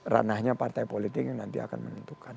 ranahnya partai politik yang nanti akan menentukan